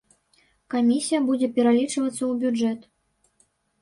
Камісія будзе пералічвацца ў бюджэт.